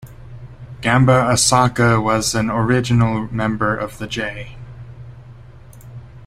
Gamba Osaka was an original member of the J.